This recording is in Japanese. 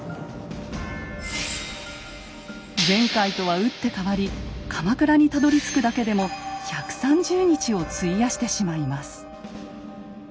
前回とは打って変わり鎌倉にたどりつくだけでも１３０日を費やしてしまいます。